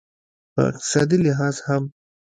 په اقتصادي لحاظ هم